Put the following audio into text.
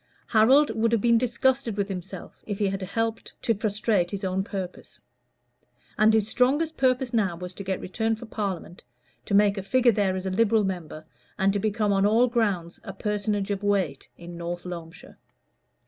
Harold would have been disgusted with himself if he had helped to frustrate his own purpose. And his strongest purpose now was to get returned for Parliament, to make a figure there as a Liberal member, and to become on all grounds a personage of weight in North Loamshire.